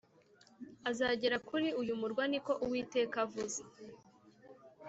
Azagera kuri uyu murwa ni ko uwiteka avuze